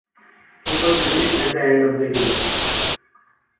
He was released at the end of the year.